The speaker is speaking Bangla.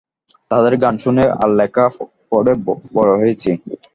তাঁদের গান শুনে আর লেখা পড়ে বড় হয়েছি।